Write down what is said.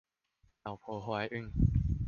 老婆懷孕